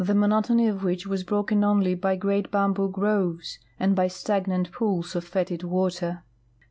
monotony of which was broken onl}' by great l)aml)oo groves and by stagnant pools of fetid water.